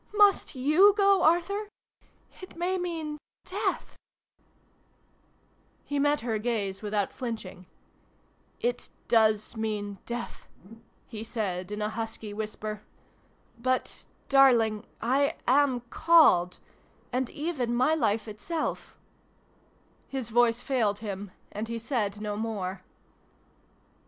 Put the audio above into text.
" Must yoii go, Arthur ? It may mean death \" He met her gaze without flinching. " It does mean death," he said, in a husky whisper : T 2 276 SYLVIE AND BRUNO CONCLUDED. " but darling 1 am called. And even my life itself His voice failed him, and he said no more.